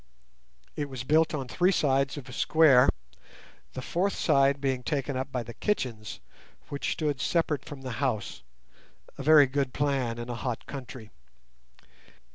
It was built on three sides of a square, the fourth side being taken up by the kitchens, which stood separate from the house—a very good plan in a hot country.